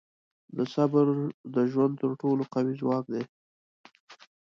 • صبر د ژوند تر ټولو قوي ځواک دی.